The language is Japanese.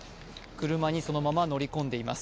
車にそのまま乗り込んでいます。